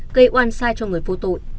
gây oan sai cho người vô tội